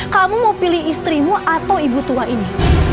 kamu mau pilih istrimu atau ibu tua ini